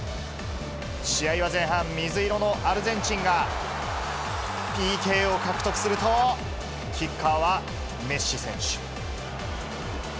試合は前半、水色のアルゼンチンがＰＫを獲得すると、キッカーはメッシ選手。